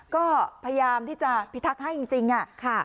ก็พยายามที่จะพิทักษ์ให้จริงค่ะ